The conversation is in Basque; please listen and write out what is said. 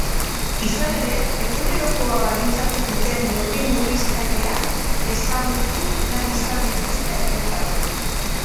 Izan ere, egunerokoa baldintzatu duten neurri murriztaileak ezagutu nahi izan dituzte herritarrek.